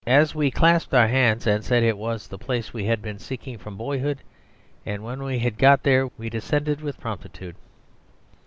We clasped our hands and said it was the place we had been seeking from boyhood, and when we had got there we descended with promptitude.